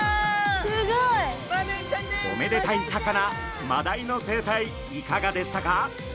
すごい！おめでたい魚マダイの生態いかがでしたか？